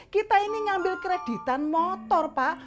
kita ini ngambil kreditan motor pak